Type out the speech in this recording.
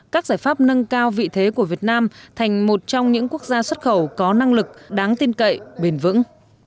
các giải pháp nâng cao vị thế của việt nam thành một trong những quốc gia xuất khẩu có năng lực đáng tin cậy bền vững